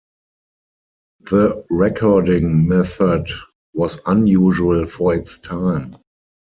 The recording method was unusual for its time.